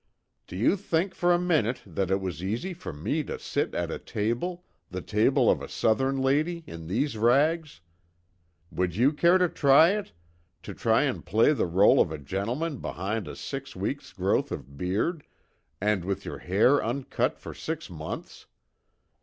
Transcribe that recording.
"Do you think for a minute that it was easy for me to sit at a table the table of a southern lady in these rags? Would you care to try it to try and play the rôle of a gentleman behind a six weeks' growth of beard, and with your hair uncut for six months?